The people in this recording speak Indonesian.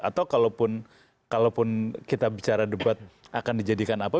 atau kalau pun kita bicara debat akan dijadikan apa